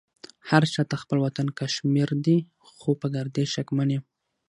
هرچا ته خپل وطن کشمير دې خو په ګرديز شکمن يم